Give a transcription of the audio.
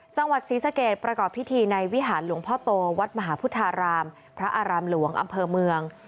จังหวัดศรีสะเกดประกอบพิธีในวิหารหลวงพ่อโตวัดมหาพุทธารามพระอารามหลวงอำเภอเมือง